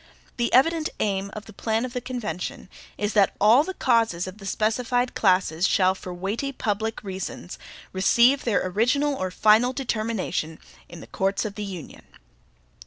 The evident aim of the plan of the convention is, that all the causes of the specified classes shall, for weighty public reasons, receive their original or final determination in the courts of the Union.